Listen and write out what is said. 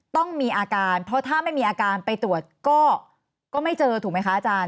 ต้องมีอาการเพราะถ้าไม่มีอาการไปตรวจก็ไม่เจอถูกไหมคะอาจารย